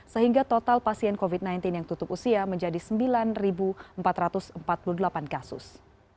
sehingga total pasien covid sembilan belas yang tutup usia menjadi sembilan empat ratus empat puluh delapan kasus